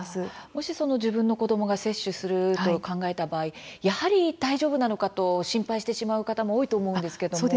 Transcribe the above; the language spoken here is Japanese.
もし自分の子どもが接種すると考えた場合やはり大丈夫なのかと心配してしまう方も多いと思うんですけれども。